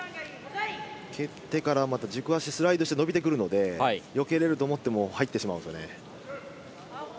蹴ってからまた軸足スライドして伸びてくるので、よけれると思っても入ってしまうんですよね。